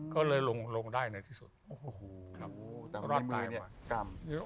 ก็เลยลงได้ในที่สุดโอ้โหรอดตายมา